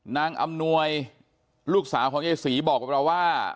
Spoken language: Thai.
นางอำนวยลูกสาวของยายสีบอกบับว่า